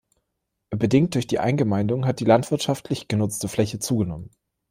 Bedingt durch die Eingemeindungen hat die landwirtschaftlich genutzte Fläche zugenommen.